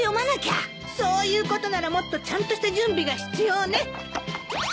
そういうことならもっとちゃんとした準備が必要ね。